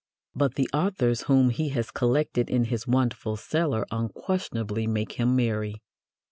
But the authors whom he has collected in his wonderful cellar unquestionably make him merry.